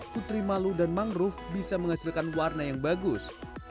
putri malu dan mangrove bisa menghasilkan warna yang bagus